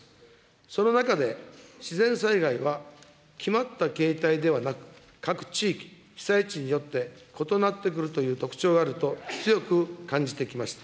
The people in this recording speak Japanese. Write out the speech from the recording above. その中で、自然災害は決まった形態ではなく、各地域、被災地によって異なってくるという特徴があると強く感じてきました。